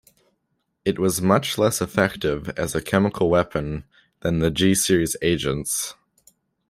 It was much less effective as a chemical weapon than the G series agents.